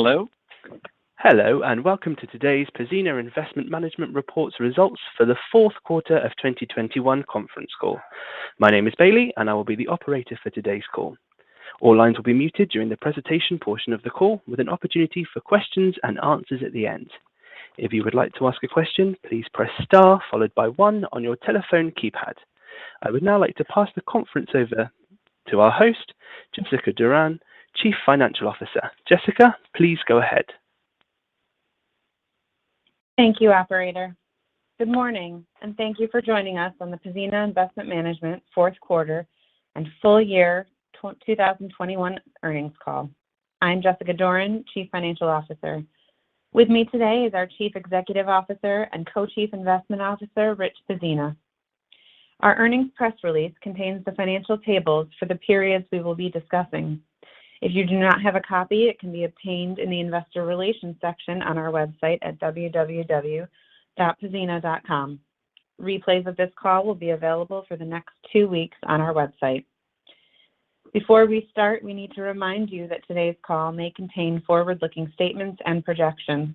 Hello? Hello, and welcome to today's Pzena Investment Management reports results for the fourth quarter of 2021 conference call. My name is Bailey, and I will be the operator for today's call. All lines will be muted during the presentation portion of the call with an opportunity for questions and answers at the end. If you would like to ask a question, please press Star followed by one on your telephone keypad. I would now like to pass the conference over to our host, Jessica Doran, Chief Financial Officer. Jessica, please go ahead. Thank you, operator. Good morning, and thank you for joining us on the Pzena Investment Management's fourth quarter and full year 2021 earnings call. I'm Jessica Doran, Chief Financial Officer. With me today is our Chief Executive Officer and Co-Chief Investment Officer, Richard Pzena. Our earnings press release contains the financial tables for the periods we will be discussing. If you do not have a copy, it can be obtained in the investor relations section on our website at www.pzena.com. Replays of this call will be available for the next 2 weeks on our website. Before we start, we need to remind you that today's call may contain forward-looking statements and projections.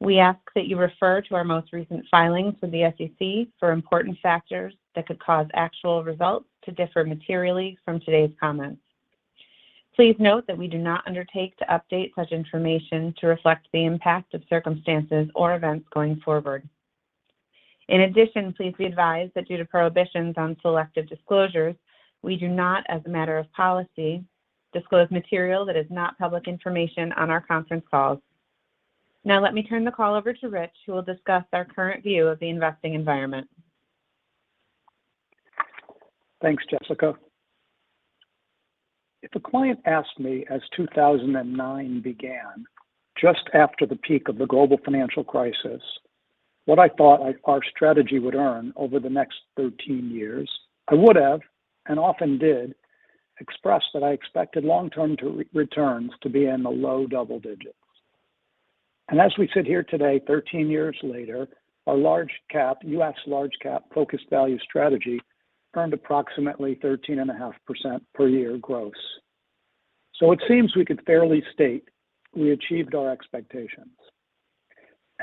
We ask that you refer to our most recent filings with the SEC for important factors that could cause actual results to differ materially from today's comments. Please note that we do not undertake to update such information to reflect the impact of circumstances or events going forward. In addition, please be advised that due to prohibitions on selective disclosures, we do not, as a matter of policy, disclose material that is not public information on our conference calls. Now let me turn the call over to Rich, who will discuss our current view of the investing environment. Thanks, Jessica. If a client asked me as 2009 began, just after the peak of the global financial crisis, what I thought our strategy would earn over the next 13 years, I would have, and often did, express that I expected long-term returns to be in the low double digits. As we sit here today, 13 years later, our large-cap U.S. large-cap-focused value strategy earned approximately 13.5% per year gross. It seems we could fairly state we achieved our expectations.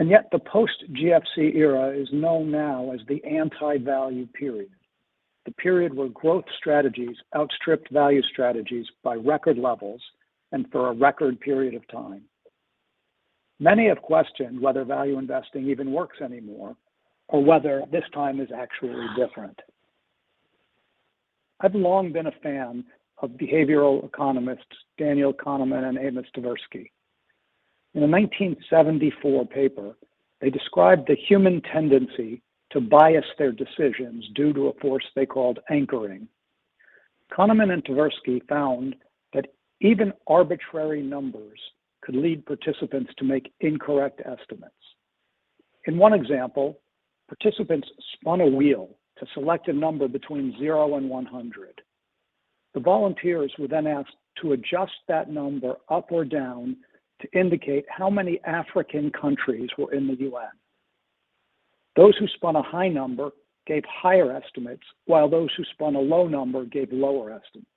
Yet the post-GFC era is known now as the anti-value period, the period where growth strategies outstripped value strategies by record levels and for a record period of time. Many have questioned whether value investing even works anymore or whether this time is actually different. I've long been a fan of behavioral economists Daniel Kahneman and Amos Tversky. In a 1974 paper, they described the human tendency to bias their decisions due to a force they called anchoring. Kahneman and Tversky found that even arbitrary numbers could lead participants to make incorrect estimates. In one example, participants spun a wheel to select a number between 0 and 100. The volunteers were then asked to adjust that number up or down to indicate how many African countries were in the UN. Those who spun a high number gave higher estimates, while those who spun a low number gave lower estimates.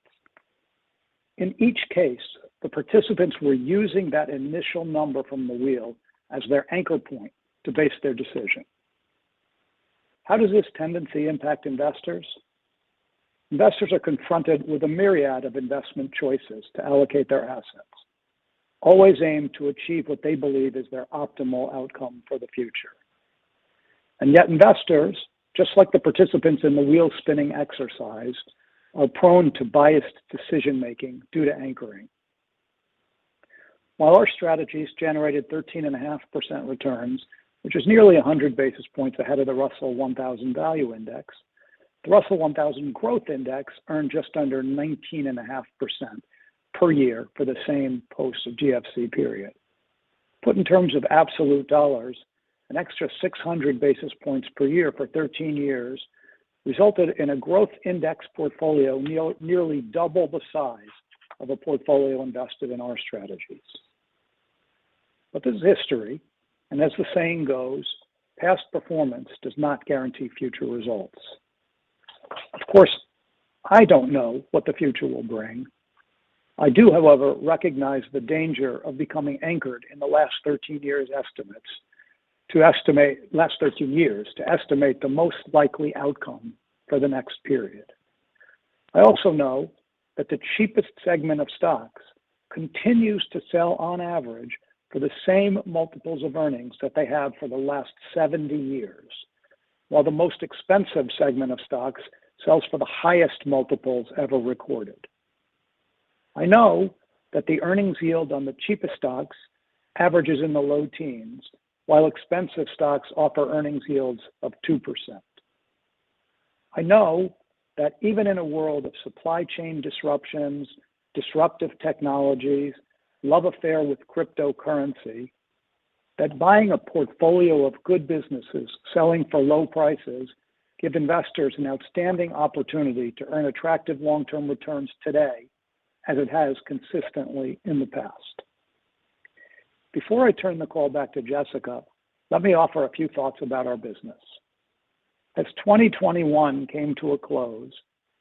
In each case, the participants were using that initial number from the wheel as their anchor point to base their decision. How does this tendency impact investors? Investors are confronted with a myriad of investment choices to allocate their assets, always aim to achieve what they believe is their optimal outcome for the future. Yet investors, just like the participants in the wheel-spinning exercise, are prone to biased decision-making due to anchoring. While our strategies generated 13.5% returns, which is nearly 100 basis points ahead of the Russell 1000 Value Index, the Russell 1000 Growth Index earned just under 19.5% per year for the same post-GFC period. Put in terms of absolute dollars, an extra 600 basis points per year for 13 years resulted in a growth index portfolio nearly double the size of a portfolio invested in our strategies. This is history, and as the saying goes, past performance does not guarantee future results. Of course, I don't know what the future will bring. I do, however, recognize the danger of becoming anchored in the last 13 years to estimate the most likely outcome for the next period. I also know that the cheapest segment of stocks continues to sell on average for the same multiples of earnings that they have for the last 70 years, while the most expensive segment of stocks sells for the highest multiples ever recorded. I know that the earnings yield on the cheapest stocks averages in the low teens, while expensive stocks offer earnings yields of 2%. I know that even in a world of supply chain disruptions, disruptive technologies, love affair with cryptocurrency, that buying a portfolio of good businesses selling for low prices give investors an outstanding opportunity to earn attractive long-term returns today, as it has consistently in the past. Before I turn the call back to Jessica, let me offer a few thoughts about our business. As 2021 came to a close,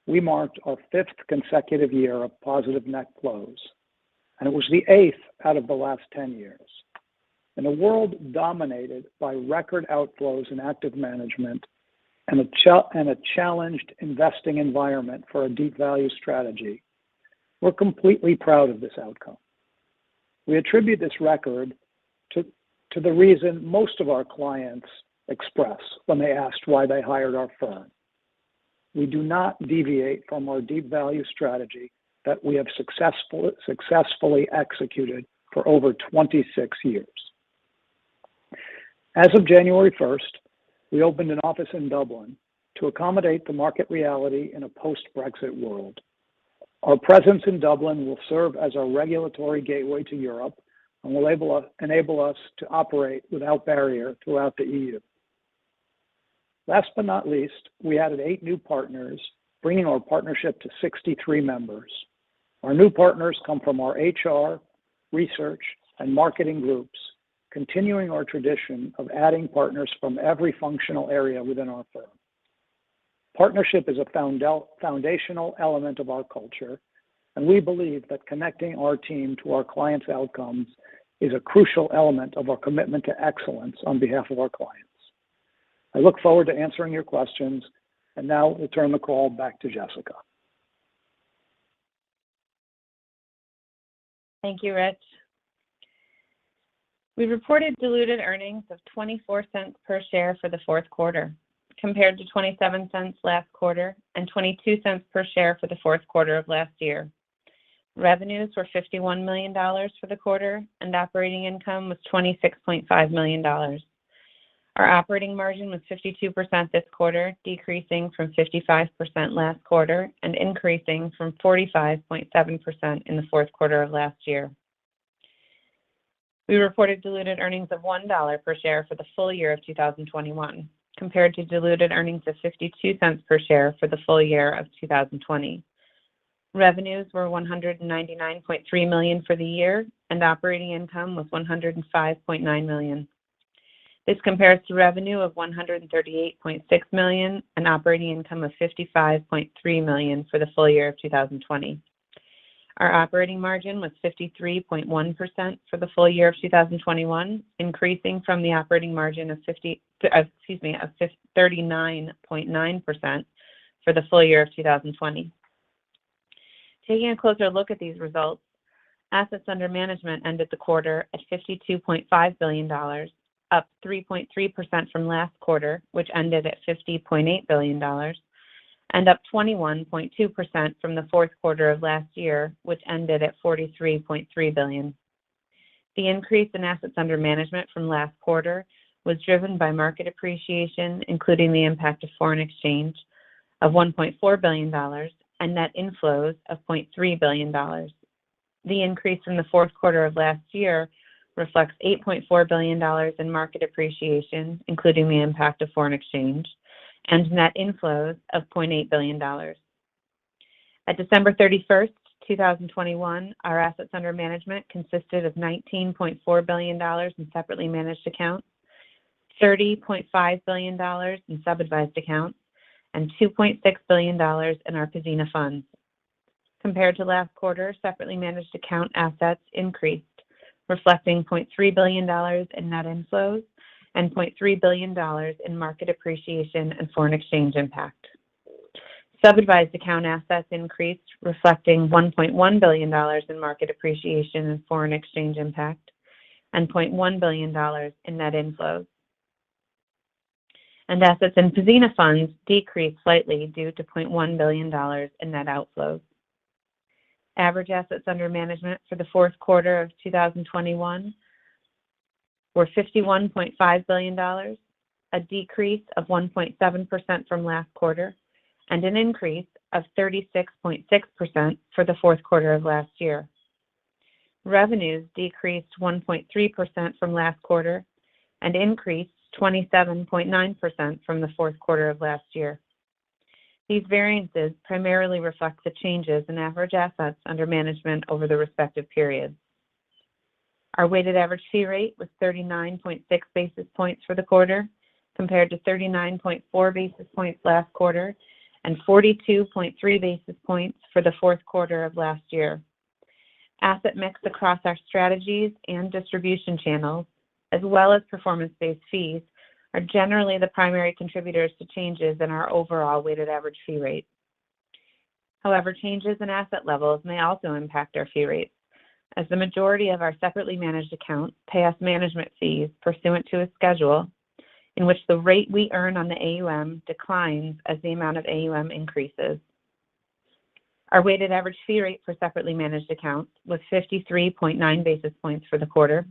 we marked our fifth consecutive year of positive net flows, and it was the eighth out of the last 10 years. In a world dominated by record outflows and active management and a challenged investing environment for a deep value strategy, we're completely proud of this outcome. We attribute this record to the reason most of our clients express when they asked why they hired our firm. We do not deviate from our deep value strategy that we have successfully executed for over 26 years. As of January 1, we opened an office in Dublin to accommodate the market reality in a post-Brexit world. Our presence in Dublin will serve as our regulatory gateway to Europe and will enable us to operate without barrier throughout the EU. Last but not least, we added 8 new partners, bringing our partnership to 63 members. Our new partners come from our HR, research, and marketing groups, continuing our tradition of adding partners from every functional area within our firm. Partnership is a foundational element of our culture, and we believe that connecting our team to our clients' outcomes is a crucial element of our commitment to excellence on behalf of our clients. I look forward to answering your questions. Now I'll turn the call back to Jessica. Thank you, Rich. We reported diluted earnings of $0.24 per share for the fourth quarter, compared to $0.27 last quarter and $0.22 per share for the fourth quarter of last year. Revenues were $51 million for the quarter, and operating income was $26.5 million. Our operating margin was 52% this quarter, decreasing from 55% last quarter and increasing from 45.7% in the fourth quarter of last year. We reported diluted earnings of $1 per share for the full year of 2021, compared to diluted earnings of $0.52 per share for the full year of 2020. Revenues were $199.3 million for the year, and operating income was $105.9 million. This compares to revenue of $138.6 million and operating income of $55.3 million for the full year of 2020. Our operating margin was 53.1% for the full year of 2021, increasing from the operating margin of 39.9% for the full year of 2020. Taking a closer look at these results, assets under management ended the quarter at $52.5 billion, up 3.3% from last quarter, which ended at $50.8 billion, and up 21.2% from the fourth quarter of last year, which ended at $43.3 billion. The increase in assets under management from last quarter was driven by market appreciation, including the impact of foreign exchange of $1.4 billion, and net inflows of $0.3 billion. The increase in the fourth quarter of last year reflects $8.4 billion in market appreciation, including the impact of foreign exchange, and net inflows of $0.8 billion. At December thirty-first, two thousand twenty-one, our assets under management consisted of $19.4 billion in separately managed accounts, $30.5 billion in sub-advised accounts, and $2.6 billion in our Pzena Funds. Compared to last quarter, separately managed account assets increased, reflecting $0.3 billion in net inflows and $0.3 billion in market appreciation and foreign exchange impact. Sub-advised account assets increased, reflecting $1.1 billion in market appreciation and foreign exchange impact and $0.1 billion in net inflows. Assets in Pzena Funds decreased slightly due to $0.1 billion in net outflows. Average assets under management for the fourth quarter of 2021 were $51.5 billion, a decrease of 1.7% from last quarter, and an increase of 36.6% for the fourth quarter of last year. Revenues decreased 1.3% from last quarter and increased 27.9% from the fourth quarter of last year. These variances primarily reflect the changes in average assets under management over the respective periods. Our weighted average fee rate was 39.6 basis points for the quarter, compared to 39.4 basis points last quarter and 42.3 basis points for the fourth quarter of last year. Asset mix across our strategies and distribution channels, as well as performance-based fees, are generally the primary contributors to changes in our overall weighted average fee rate. However, changes in asset levels may also impact our fee rates, as the majority of our separately managed accounts pay us management fees pursuant to a schedule in which the rate we earn on the AUM declines as the amount of AUM increases. Our weighted average fee rate for separately managed accounts was 53.9 basis points for the quarter,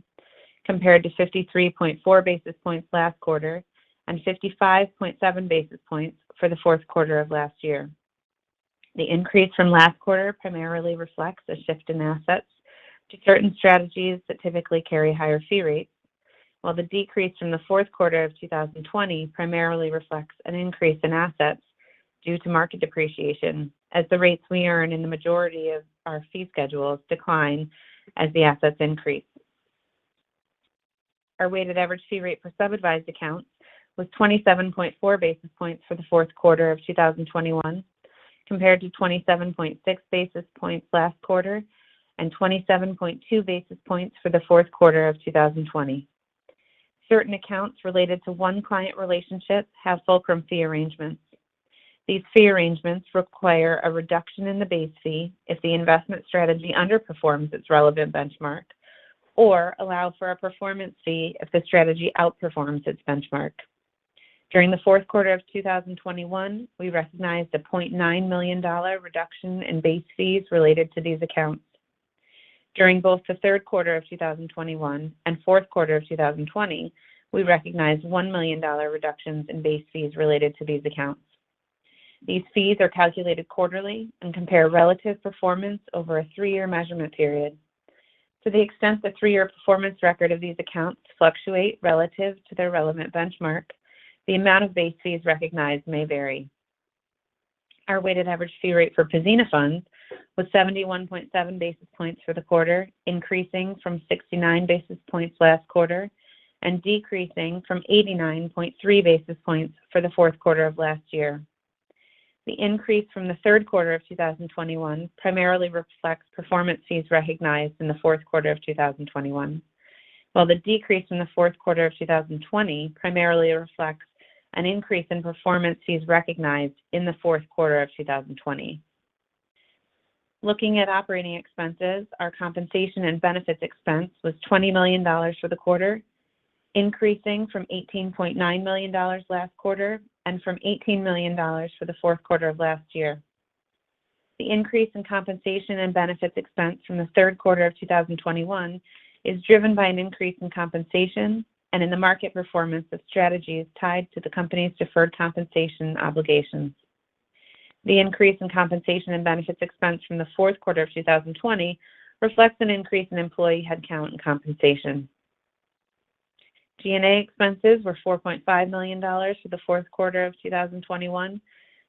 compared to 53.4 basis points last quarter and 55.7 basis points for the fourth quarter of last year. The increase from last quarter primarily reflects a shift in assets to certain strategies that typically carry higher fee rates, while the decrease from the fourth quarter of 2020 primarily reflects an increase in assets due to market depreciation as the rates we earn in the majority of our fee schedules decline as the assets increase. Our weighted average fee rate per sub-advised account was 27.4 basis points for the fourth quarter of 2021, compared to 27.6 basis points last quarter and 27.2 basis points for the fourth quarter of 2020. Certain accounts related to one client relationship have fulcrum fee arrangements. These fee arrangements require a reduction in the base fee if the investment strategy underperforms its relevant benchmark or allows for a performance fee if the strategy outperforms its benchmark. During the fourth quarter of 2021, we recognized a $0.9 million reduction in base fees related to these accounts. During both the third quarter of 2021 and fourth quarter of 2020, we recognized $1 million reductions in base fees related to these accounts. These fees are calculated quarterly and compare relative performance over a three-year measurement period. To the extent the three-year performance record of these accounts fluctuate relative to their relevant benchmark, the amount of base fees recognized may vary. Our weighted average fee rate for Pzena Funds was 71.7 basis points for the quarter, increasing from 69 basis points last quarter and decreasing from 89.3 basis points for the fourth quarter of last year. The increase from the third quarter of 2021 primarily reflects performance fees recognized in the fourth quarter of 2021, while the decrease in the fourth quarter of 2020 primarily reflects an increase in performance fees recognized in the fourth quarter of 2020. Looking at operating expenses, our compensation and benefits expense was $20 million for the quarter, increasing from $18.9 million last quarter and from $18 million for the fourth quarter of last year. The increase in compensation and benefits expense from the third quarter of 2021 is driven by an increase in compensation and in the market performance of strategies tied to the company's deferred compensation obligations. The increase in compensation and benefits expense from the fourth quarter of 2020 reflects an increase in employee headcount and compensation. G&A expenses were $4.5 million for the fourth quarter of 2021,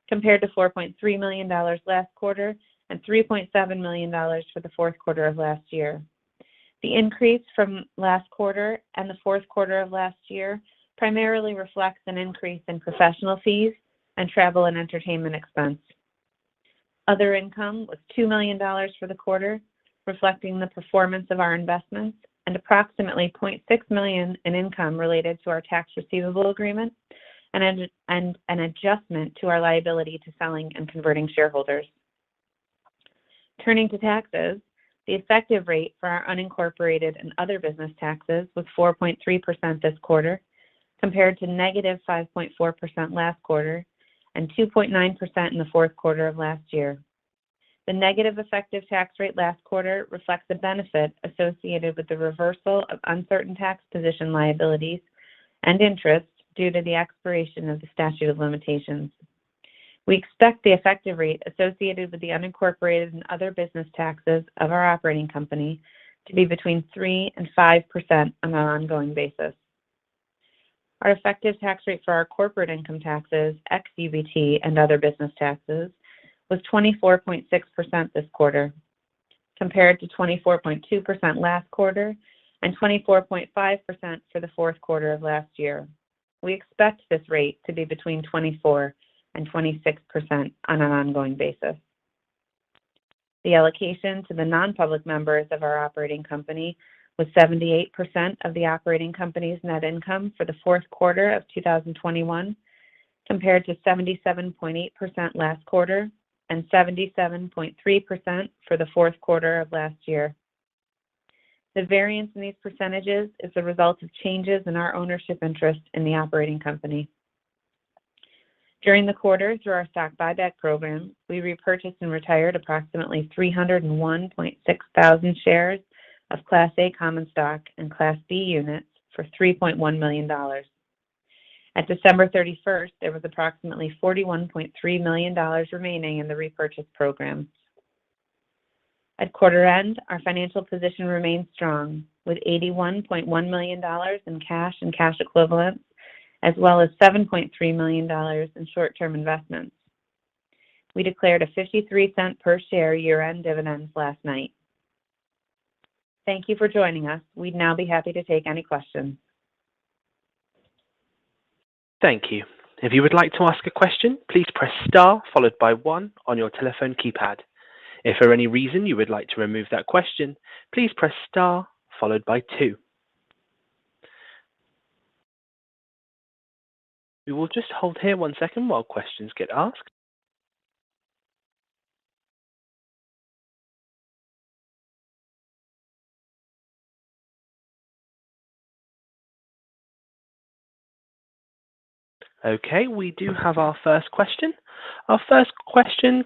compared to $4.3 million last quarter and $3.7 million for the fourth quarter of last year. The increase from last quarter and the fourth quarter of last year primarily reflects an increase in professional fees and travel and entertainment expense. Other income was $2 million for the quarter, reflecting the performance of our investments and approximately $0.6 million in income related to our Tax Receivable Agreement and an adjustment to our liability to selling and converting shareholders. Turning to taxes, the effective rate for our unincorporated and other business taxes was 4.3% this quarter, compared to -5.4% last quarter and 2.9% in the fourth quarter of last year. The negative effective tax rate last quarter reflects the benefit associated with the reversal of uncertain tax position liabilities and interest due to the expiration of the statute of limitations. We expect the effective rate associated with the unincorporated and other business taxes of our operating company to be between 3% and 5% on an ongoing basis. Our effective tax rate for our corporate income taxes, ex-UBT and other business taxes, was 24.6% this quarter, compared to 24.2% last quarter and 24.5% for the fourth quarter of last year. We expect this rate to be between 24% and 26% on an ongoing basis. The allocation to the non-public members of our operating company was 78% of the operating company's net income for the fourth quarter of 2021, compared to 77.8% last quarter and 77.3% for the fourth quarter of last year. The variance in these percentages is the result of changes in our ownership interest in the operating company. During the quarter, through our stock buyback program, we repurchased and retired approximately 301.6 thousand shares of Class A common stock and Class B units for $3.1 million. At December 31, there was approximately $41.3 million remaining in the repurchase program. At quarter end, our financial position remained strong, with $81.1 million in cash and cash equivalents, as well as $7.3 million in short-term investments. We declared a $0.53 per share year-end dividend last night. Thank you for joining us. We'd now be happy to take any questions. Thank you. If you would like to ask a question, please press star followed by one on your telephone keypad. If for any reason you would like to remove that question, please press star followed by two. We will just hold here one second while questions get asked. Okay, we do have our first question. Our first question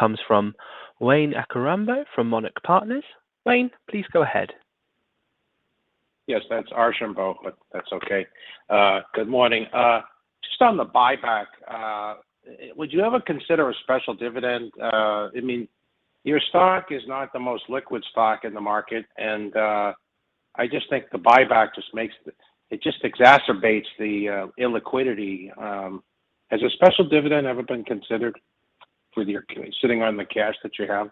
comes from Wayne Archambo from Monarch Partners. Wayne, please go ahead. Yes, that's Archambo, but that's okay. Good morning. Just on the buyback, would you ever consider a special dividend? I mean, your stock is not the most liquid stock in the market, and I just think the buyback just makes it. It just exacerbates the illiquidity. Has a special dividend ever been considered? With you sitting on the cash that you have.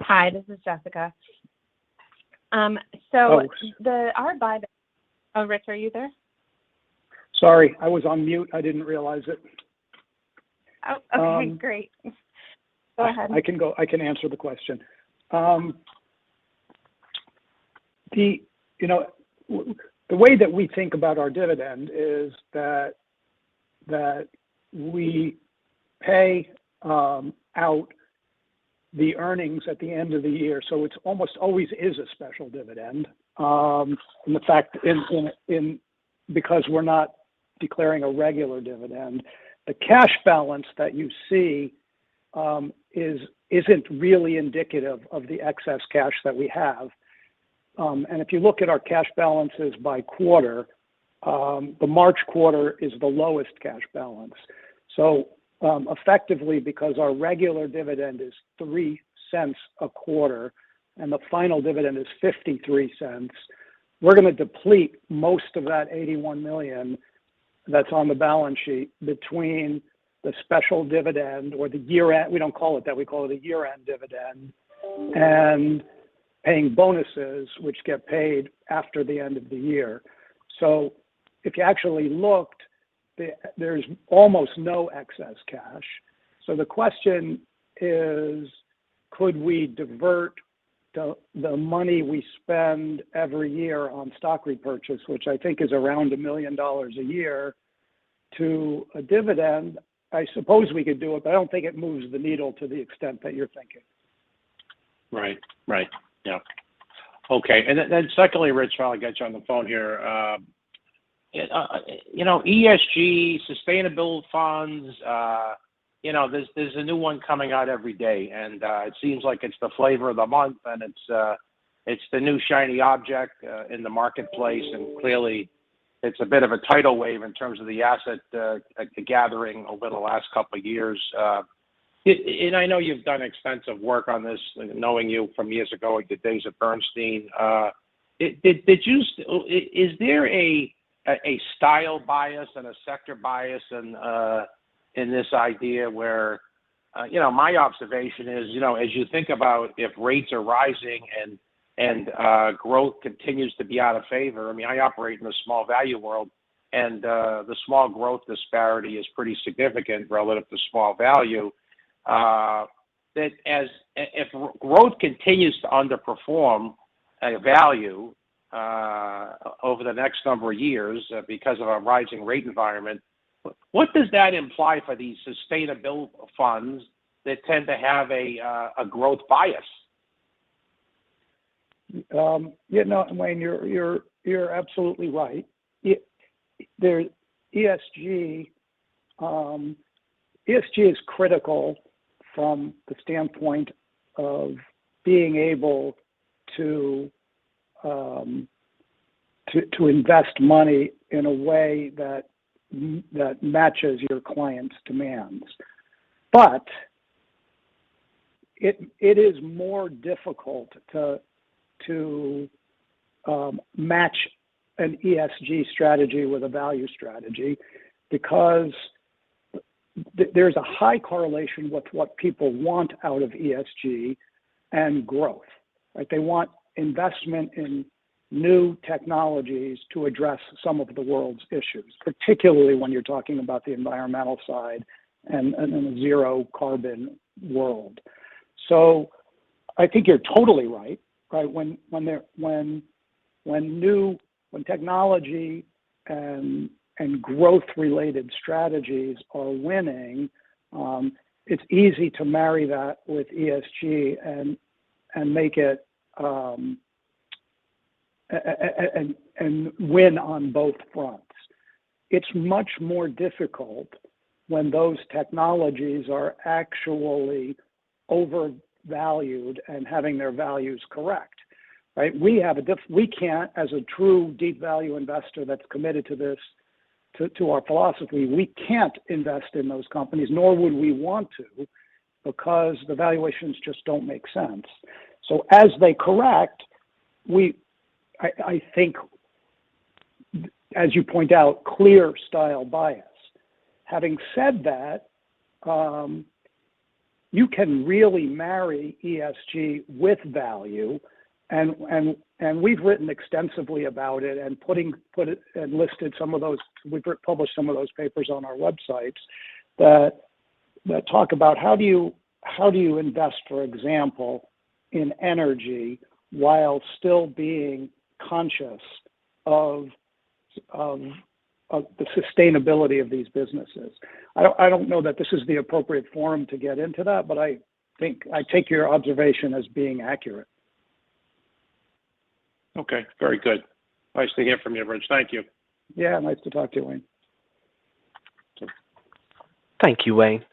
Hi, this is Jessica. Oh Oh, Rich, are you there? Sorry, I was on mute. I didn't realize it. Oh, okay. Um. Great. Go ahead. I can go; I can answer the question. You know, the way that we think about our dividend is that we pay out the earnings at the end of the year, so it's almost always a special dividend. The fact is, because we're not declaring a regular dividend, the cash balance that you see isn't really indicative of the excess cash that we have. If you look at our cash balances by quarter, the March quarter is the lowest cash balance. Effectively because our regular dividend is $0.03 a quarter and the final dividend is $0.53, we're gonna deplete most of that $81 million that's on the balance sheet between the special dividend or the year-end. We don't call it that. We call it a year-end dividend. Paying bonuses, which get paid after the end of the year. If you actually looked, there's almost no excess cash. The question is, could we divert the money we spend every year on stock repurchase, which I think is around $1 million a year, to a dividend? I suppose we could do it, but I don't think it moves the needle to the extent that you're thinking. Right. Right. Yeah. Okay. Secondly, Rich, while I got you on the phone here, you know, ESG, sustainability funds, you know, there's a new one coming out every day. It seems like it's the flavor of the month, and it's the new shiny object in the marketplace. Clearly, it's a bit of a tidal wave in terms of the asset gathering over the last couple years. I know you've done extensive work on this, knowing you from years ago at the days of Bernstein. Is there a style bias and a sector bias in this idea where, you know, my observation is, you know, as you think about if rates are rising and growth continues to be out of favor, I mean, I operate in a small value world, and the small growth disparity is pretty significant relative to small value that as... If growth continues to underperform value over the next number of years because of a rising rate environment, what does that imply for these sustainability funds that tend to have a growth bias? Yeah, no, Wayne, you're absolutely right. ESG is critical from the standpoint of being able to invest money in a way that matches your clients' demands. But it is more difficult to match an ESG strategy with a value strategy because there's a high correlation with what people want out of ESG and growth, right? They want investment in new technologies to address some of the world's issues, particularly when you're talking about the environmental side and a zero-carbon world. I think you're totally right? When there When new technology and growth-related strategies are winning, it's easy to marry that with ESG and make it and win on both fronts. It's much more difficult when those technologies are actually overvalued and having their values corrected, right? We can't, as a true deep value investor that's committed to this, to our philosophy, we can't invest in those companies, nor would we want to, because the valuations just don't make sense. As they correct, I think, as you point out, clear style bias. Having said that, you can really marry ESG with value and we've written extensively about it and put it and listed some of those. We published some of those papers on our websites that talk about how do you invest, for example, in energy while still being conscious of the sustainability of these businesses. I don't know that this is the appropriate forum to get into that, but I think I take your observation as being accurate. Okay. Very good. Nice to hear from you, Rich. Thank you. Yeah. Nice to talk to you, Wayne. Thank you, Wayne.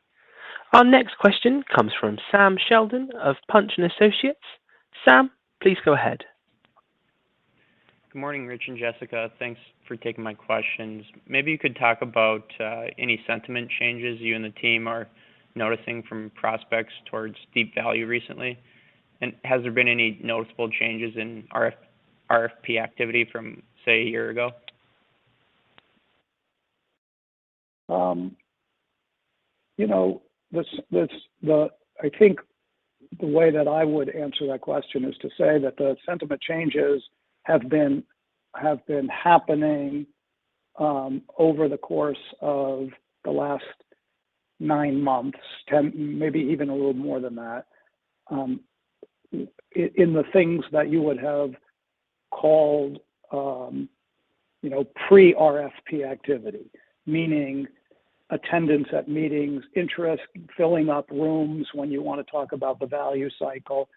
Our next question comes from Sam Sheldon of Punch & Associates. Sam, please go ahead. Good morning, Rich and Jessica. Thanks for taking my questions. Maybe you could talk about any sentiment changes you and the team are noticing from prospects towards deep value recently. Has there been any noticeable changes in RFP activity from, say, a year ago? You know, I think the way that I would answer that question is to say that the sentiment changes have been happening over the course of the last 9 months, 10, maybe even a little more than that, in the things that you would have called, you know, pre-RFP activity. Meaning attendance at meetings, interest, filling up rooms when you wanna talk about the value cycle.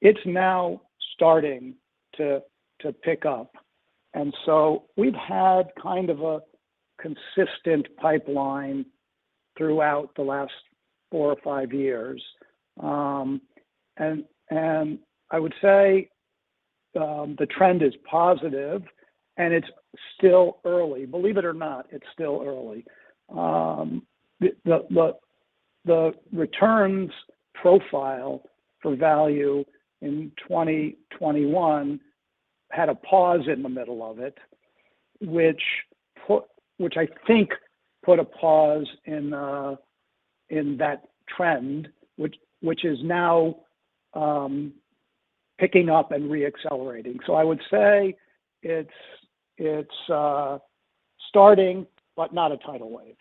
It's now starting to pick up. We've had kind of a consistent pipeline throughout the last 4 or 5 years. I would say the trend is positive and it's still early. Believe it or not, it's still early. The returns profile for value in 2021 had a pause in the middle of it, which put. which I think put a pause in that trend, which is now picking up and re-accelerating. I would say it's starting, but not a tidal wave.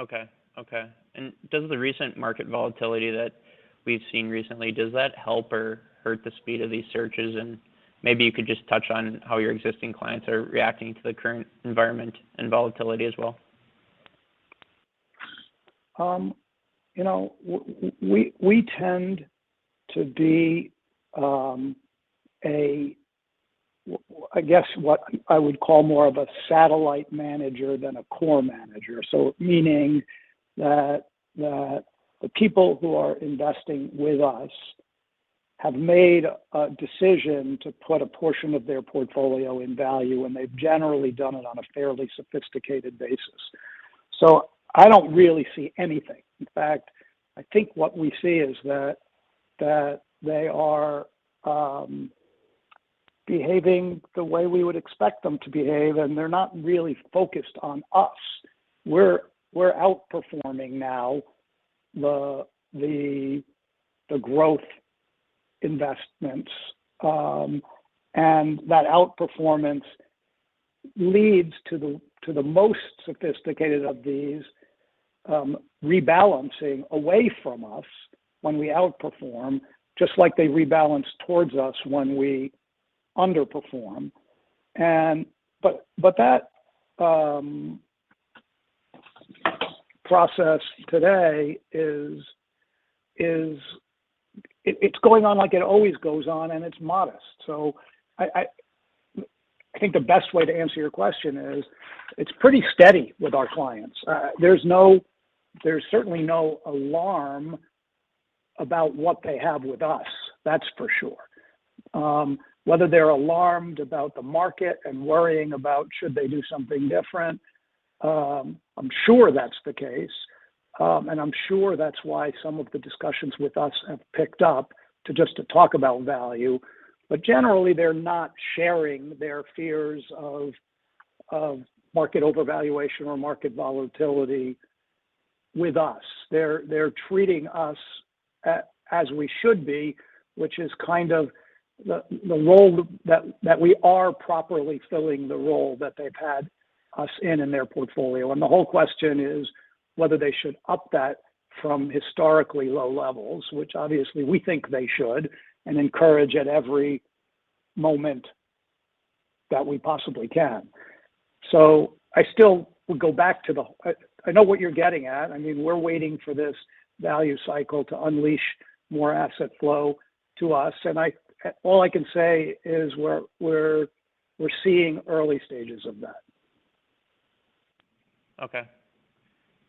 Okay. Does the recent market volatility that we've seen recently, does that help or hurt the speed of these searches? Maybe you could just touch on how your existing clients are reacting to the current environment and volatility as well. You know, we tend to be a, I guess, what I would call more of a satellite manager than a core manager. Meaning that the people who are investing with us have made a decision to put a portion of their portfolio in value, and they've generally done it on a fairly sophisticated basis. I don't really see anything. In fact, I think what we see is that they are behaving the way we would expect them to behave, and they're not really focused on us. We're outperforming now the growth investments, and that outperformance leads to the most sophisticated of these rebalancing away from us when we outperform, just like they rebalance towards us when we underperform. But that process today is. It's going on like it always goes on, and it's modest. I think the best way to answer your question is, it's pretty steady with our clients. There's certainly no alarm about what they have with us, that's for sure. Whether they're alarmed about the market and worrying about whether they should do something different, I'm sure that's the case, and I'm sure that's why some of the discussions with us have picked up to just talk about value. Generally, they're not sharing their fears of market overvaluation or market volatility with us. They're treating us as we should be, which is kind of the role that we are properly filling, the role that they've had us in their portfolio. The whole question is whether they should up that from historically low levels, which, obviously, we think they should and encourage at every moment that we possibly can. I still would go back to the. I know what you're getting at. I mean, we're waiting for this value cycle to unleash more asset flow to us, and all I can say is we're seeing early stages of that. Okay.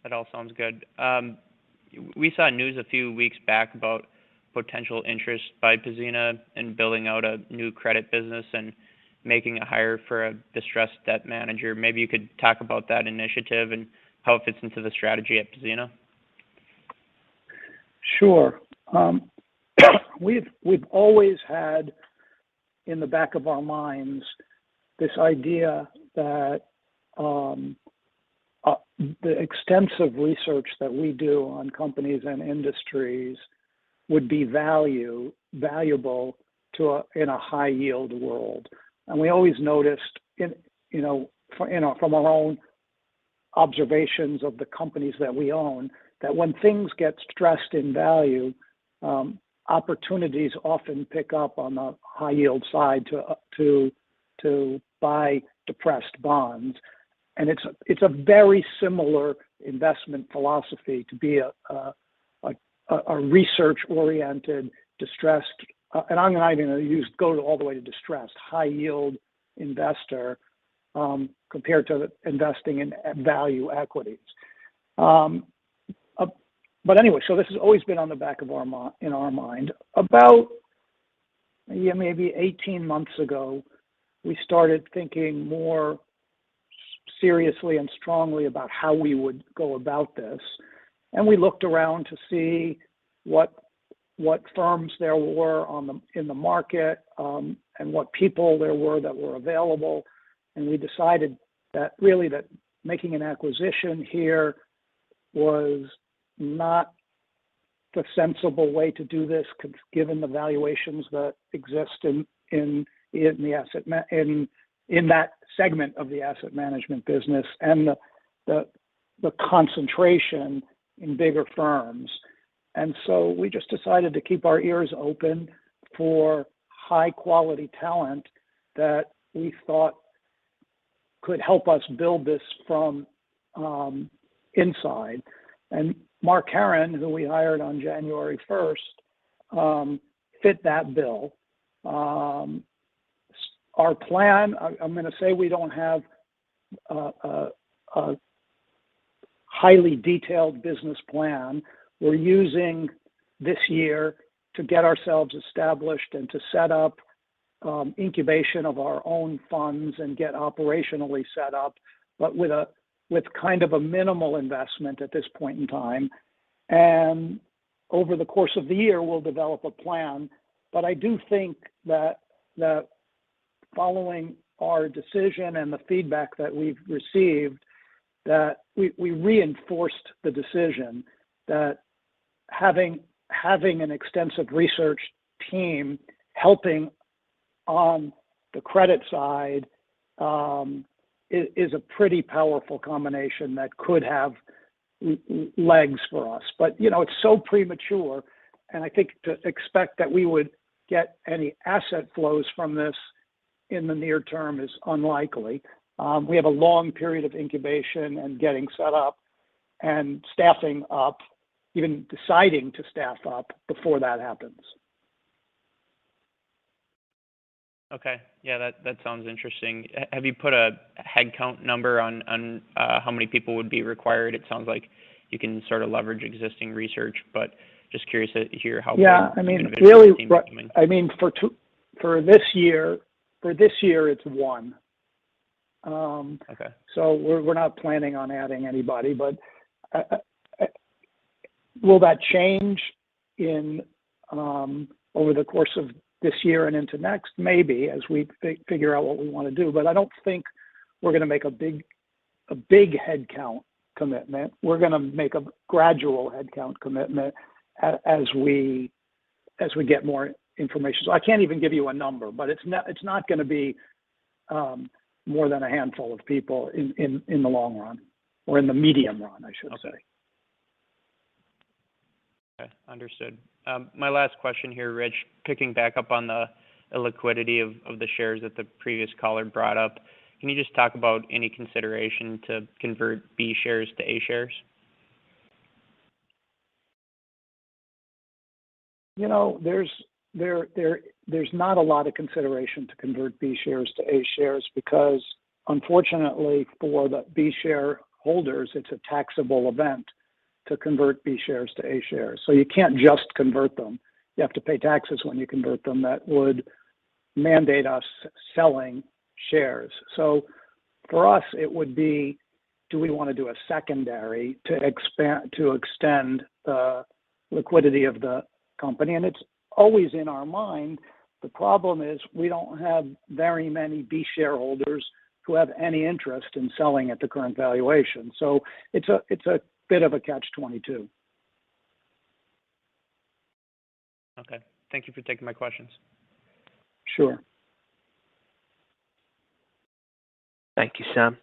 That all sounds good. We saw news a few weeks back about potential interest by Pzena in building out a new credit business and making a hire for a distressed debt manager. Maybe you could talk about that initiative and how it fits into the strategy at Pzena. Sure. We've always had in the back of our minds this idea that the extensive research that we do on companies and industries would be valuable in a high-yield world. We always noticed, you know, from our own observations of the companies that we own, that when things get stressed in value, opportunities often pick up on the high-yield side to buy depressed bonds. It's a very similar investment philosophy to be like a research-oriented high-yield investor compared to investing in value equities. I'm not even gonna go all the way to distressed. This has always been in our mind. About a year, maybe 18 months ago, we started thinking more seriously and strongly about how we would go about this. We looked around to see what firms there were in the market and what people there were that were available. We decided that really that making an acquisition here was not the sensible way to do this given the valuations that exist in that segment of the asset management business and the concentration in bigger firms. We just decided to keep our ears open for high-quality talent that we thought could help us build this from inside. Mark Heron, who we hired on January 1, fit that bill. Our plan, I'm gonna say we don't have a highly detailed business plan. We're using this year to get ourselves established and to set up incubation of our own funds and get operationally set up, but with kind of a minimal investment at this point in time. Over the course of the year, we'll develop a plan. I do think that following our decision and the feedback that we've received, that we reinforced the decision that having an extensive research team helping on the credit side is a pretty powerful combination that could have legs for us. You know, it's so premature, and I think to expect that we would get any asset flows from this in the near term is unlikely. We have a long period of incubation and getting set up and staffing up, even deciding to staff up before that happens. Okay. Yeah, that sounds interesting. Have you put a headcount number on how many people would be required? It sounds like you can sort of leverage existing research, but just curious to hear how big an innovation team you're coming. Yeah. I mean, for this year, it's one. Okay. We're not planning on adding anybody. Will that change over the course of this year and into next? Maybe as we figure out what we wanna do. I don't think we're gonna make a big headcount commitment. We're gonna make a gradual headcount commitment as we get more information. I can't even give you a number, but it's not gonna be more than a handful of people in the long run, or in the medium run, I should say. Okay. Understood. My last question here, Rich. Picking back up on the liquidity of the shares that the previous caller brought up, can you just talk about any consideration to convert B shares to A shares? You know, there's not a lot of consideration to convert B shares to A shares because unfortunately for the B shareholders, it's a taxable event to convert B shares to A shares. You can't just convert them. You have to pay taxes when you convert them. That would mandate us selling shares. For us, it would be, do we wanna do a secondary to extend the liquidity of the company? It's always in our mind. The problem is we don't have very many B shareholders who have any interest in selling at the current valuation. It's a bit of a catch-22. Okay. Thank you for taking my questions. Sure. Thank you, Sam.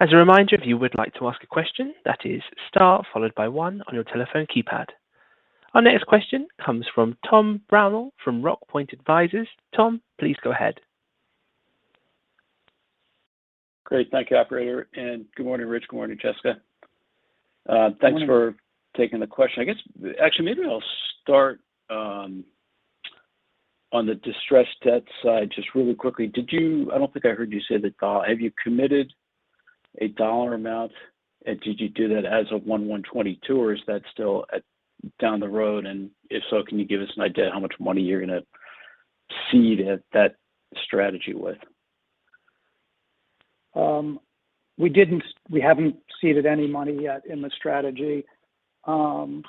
As a reminder, if you would like to ask a question, that is star followed by one on your telephone keypad. Our next question comes from Tom Brownell from Rock Point Advisors. Tom, please go ahead. Great. Thank you, operator, and good morning, Rich. Good morning, Jessica. Thanks for taking the question. I guess, actually, maybe I'll start on the distressed debt side just really quickly. I don't think I heard you say that. Have you committed a dollar amount, and did you do that as of 1/1/2022, or is that still down the road? If so, can you give us an idea how much money you're gonna seed that strategy with? We haven't seeded any money yet in the strategy. We're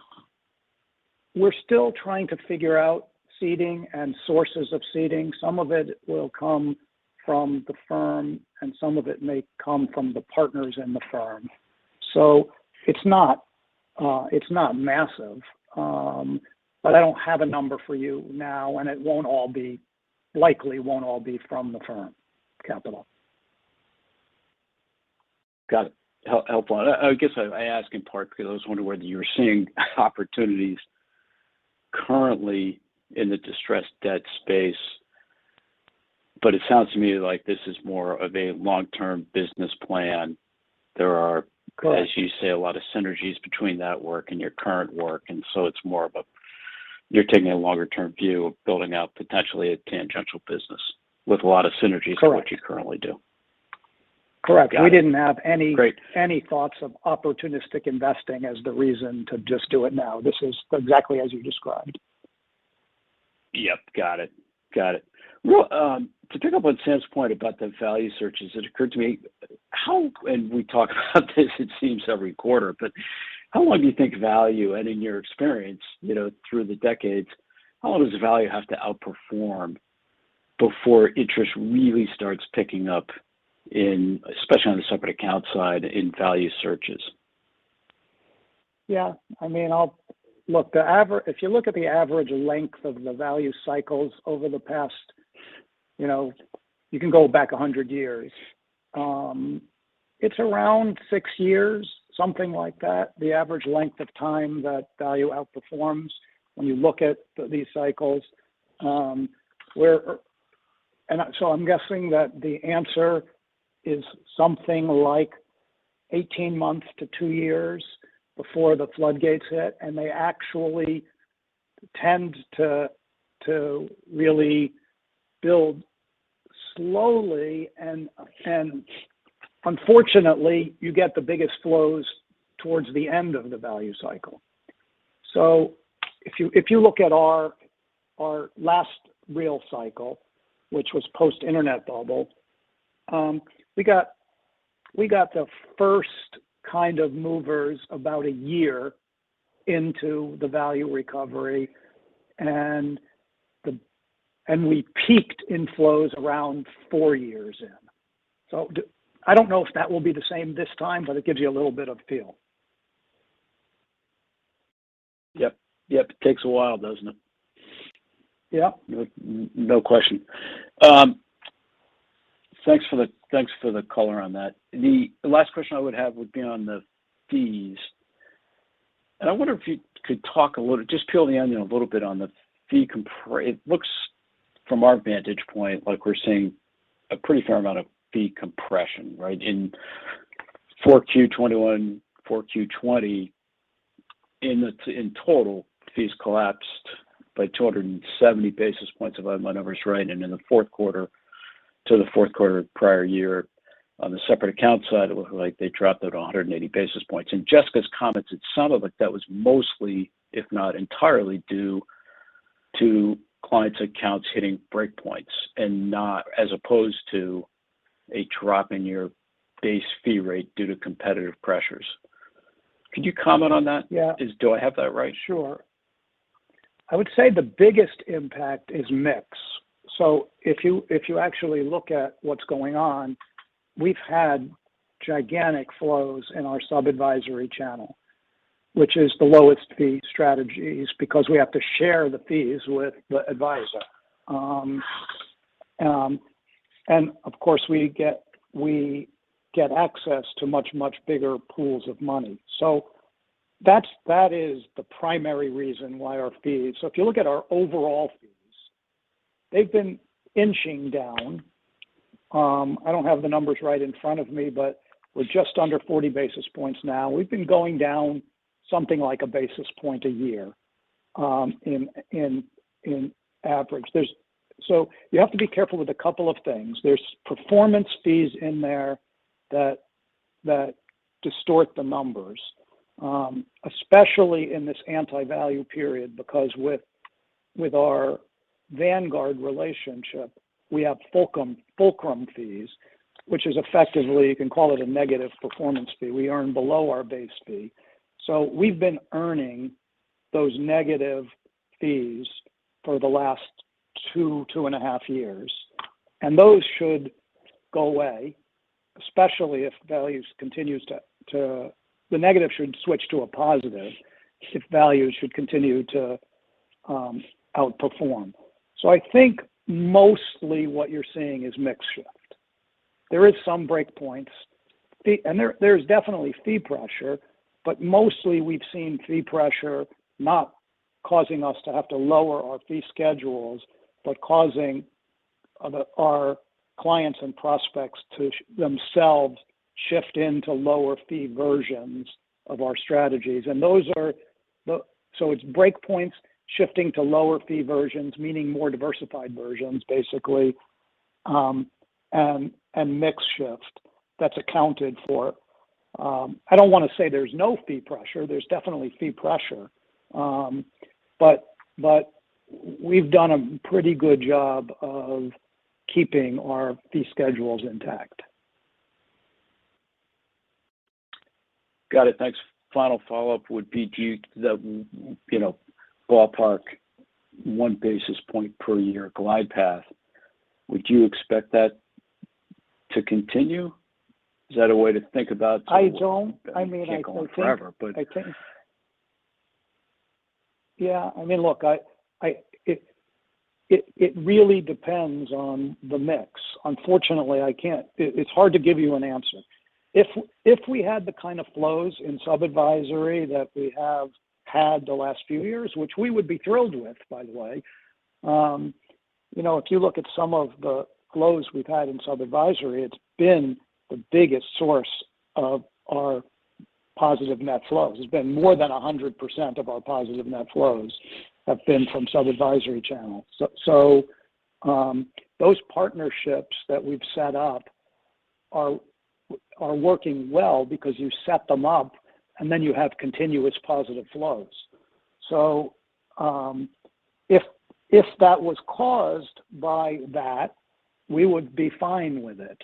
still trying to figure out seeding and sources of seeding. Some of it will come from the firm, and some of it may come from the partners in the firm. It's not massive. I don't have a number for you now, and it likely won't all be from the firm capital. Got it. Helpful. I guess I ask in part because I was wondering whether you were seeing opportunities currently in the distressed debt space. It sounds to me like this is more of a long-term business plan. Correct As you say, a lot of synergies between that work and your current work. You're taking a longer-term view of building out potentially a tangential business with a lot of synergies. Correct. for what you currently do. Correct. Got it. We didn't have any. Great Any thoughts of opportunistic investing as the reason to just do it now. This is exactly as you described. Yep, got it. Well, to pick up on Sam's point about the value searches, it occurred to me. We talk about this, it seems, every quarter, but how long do you think value, and in your experience, you know, through the decades, how long does value have to outperform before interest really starts picking up in, especially on the separate account side, in value searches? Yeah, I mean, look, if you look at the average length of the value cycles over the past, you know, you can go back 100 years; it's around 6 years, something like that, the average length of time that value outperforms when you look at these cycles, where I'm guessing that the answer is something like 18 months to 2 years before the floodgates hit, and they actually tend to really build slowly and unfortunately, you get the biggest flows towards the end of the value cycle. If you look at our last real cycle, which was post-internet bubble, we got the first kind of movers about 1 year into the value recovery, and we peaked in flows around 4 years in. I don't know if that will be the same this time, but it gives you a little bit of feel. Yep. It takes a while, doesn't it? Yeah. No question. Thanks for the color on that. The last question I would have would be on the fees. I wonder if you could talk a little, just peel the onion a little bit. It looks from our vantage point like we're seeing a pretty fair amount of fee compression, right? In 4Q 2021, 4Q 2020, in total, fees collapsed by 270 basis points, if my number's right. In the fourth quarter to the fourth quarter of the prior year on the separate account side, it looked like they dropped it 180 basis points. Jessica's comment is some of it, that was mostly, if not entirely, due to clients' accounts hitting break points and not as opposed to a drop in your base fee rate due to competitive pressures. Could you comment on that? Yeah. Do I have that right? Sure. I would say the biggest impact is mix. If you actually look at what's going on, we've had gigantic flows in our sub-advisory channel, which is the lowest-fee strategies because we have to share the fees with the advisor. And of course, we get access to much, much bigger pools of money. That's the primary reason why our fees, if you look at our overall fees, they've been inching down. I don't have the numbers right in front of me, but we're just under 40 basis points now. We've been going down something like a basis point a year, on average. You have to be careful with a couple of things. There's performance fees in there that distort the numbers, especially in this anti-value period, because with our Vanguard relationship, we have fulcrum fees, which is effectively, you can call it a negative performance fee. We earn below our base fee. We've been earning those negative fees for the last 2.5 years, and those should go away, especially if value continues to outperform. The negative should switch to a positive if value should continue to outperform. I think mostly what you're seeing is mix shift. There is some breakpoints. There, there's definitely fee pressure, but mostly we've seen fee pressure not causing us to have to lower our fee schedules but causing our clients and prospects to themselves shift into lower fee versions of our strategies. Those are the... It's break points shifting to lower fee versions, meaning more diversified versions, basically, and mix shift that's accounted for. I don't want to say there's no fee pressure. There's definitely fee pressure. But we've done a pretty good job of keeping our fee schedules intact. Got it. Thanks. Final follow-up would be, you know, ballpark one basis point per year glide path. Would you expect that to continue? Is that a way to think about? I don't. I mean, I don't think. It can't go on forever. I think, yeah, I mean, look, it really depends on the mix. Unfortunately, it's hard to give you an answer. If we had the kind of flows in sub-advisory that we have had the last few years, which we would be thrilled with, by the way, you know, if you look at some of the flows we've had in sub-advisory, it's been the biggest source of our positive net flows. It's been more than 100% of our positive net flows have been from sub-advisory channels. Those partnerships that we've set up are working well because you set them up, and then you have continuous positive flows. If that was caused by that, we would be fine with it.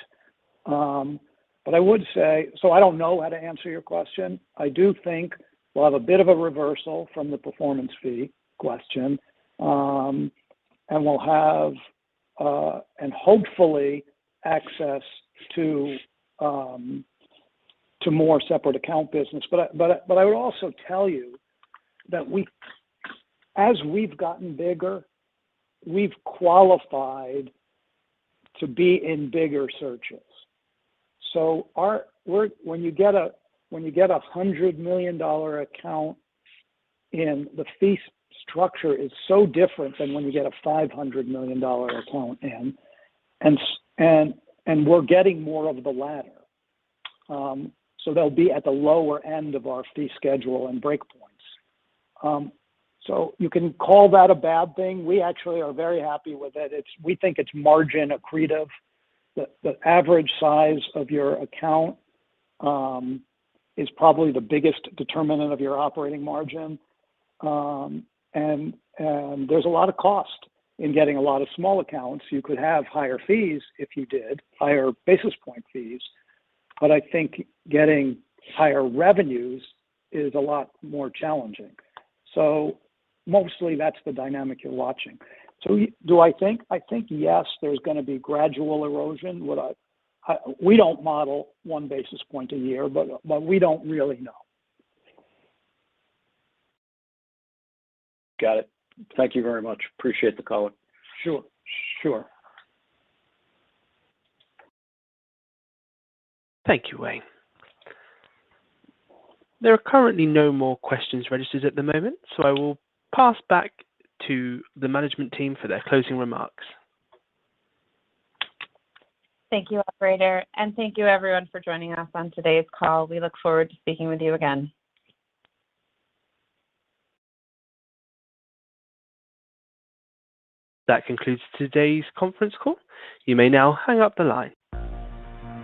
But I would say I don't know how to answer your question. I do think we'll have a bit of a reversal from the performance fee question, and we'll have, and hopefully access to more separate account business. I would also tell you that we as we've gotten bigger, we've qualified to be in bigger searches. Our work: when you get a $100 million account in, the fee structure is so different than when you get a $500 million account in, and we're getting more of the latter. They'll be at the lower end of our fee schedule and break points. You can call that a bad thing. We actually are very happy with it. It's, we think it's margin accretive. The average size of your account is probably the biggest determinant of your operating margin. There's a lot of cost in getting a lot of small accounts. You could have higher fees if you did, higher basis point fees, but I think getting higher revenues is a lot more challenging. That's the dynamic you're watching. Do I think? I think yes, there's gonna be gradual erosion. We don't model one basis point a year, but we don't really know. Got it. Thank you very much. Appreciate the call. Sure. Sure. Thank you, Wayne. There are currently no more questions registered at the moment, so I will pass back to the management team for their closing remarks. Thank you, operator, and thank you, everyone, for joining us on today's call. We look forward to speaking with you again. That concludes today's conference call. You may now hang up the line.